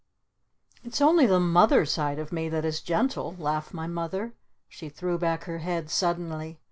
"It's only the 'mother' side of me that is gentle!" laughed my Mother. She threw back her head suddenly.